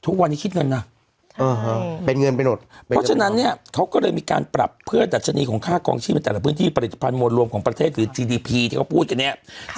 ทุกวันนี้คิดเงินนะเป็นเงินไปหมดเพราะฉะนั้นเนี่ยเขาก็เลยมีการปรับเพื่อดัชนีของค่ากองชีพในแต่ละพื้นที่ผลิตภัณฑ์มวลรวมของประเทศหรือจีดีพีที่เขาพูดกันเนี่ย